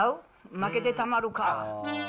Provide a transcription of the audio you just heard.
負けてたまるか。